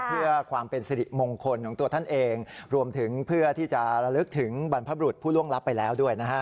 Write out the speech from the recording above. เพื่อความเป็นสิริมงคลของตัวท่านเองรวมถึงเพื่อที่จะระลึกถึงบรรพบรุษผู้ล่วงลับไปแล้วด้วยนะฮะ